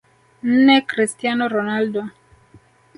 NneChristiano Ronaldo